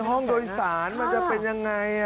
ห้องโดยสารมันจะเป็นยังไง